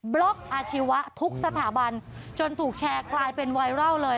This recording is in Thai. ล็อกอาชีวะทุกสถาบันจนถูกแชร์กลายเป็นไวรัลเลย